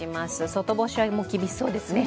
外干しは厳しそうですね。